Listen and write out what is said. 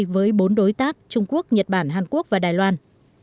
với bốn đối tác trung quốc nhật bản hàn quốc và đài loan